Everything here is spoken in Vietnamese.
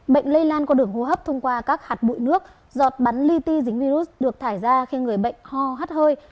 bệnh lây lan qua đường hô hấp thông qua các hạt bụi nước giọt bắn ly dính virus được thải ra khi người bệnh ho hát hơi